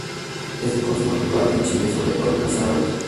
Es de consumo habitual en Chile, sobre todo en asados.